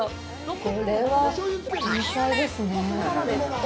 これは天才ですね。